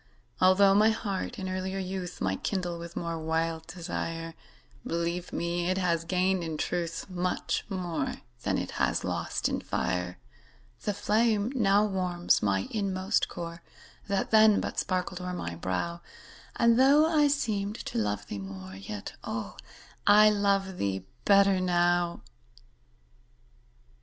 Altho' my heart in earlier youth Might kindle with more wild desire, Believe me, it has gained in truth Much more than it has lost in fire. The flame now warms my inmost core, That then but sparkled o'er my brow, And, though I seemed to love thee more, Yet, oh, I love thee better now.